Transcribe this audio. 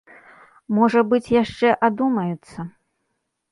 Можа быць, яшчэ адумаюцца.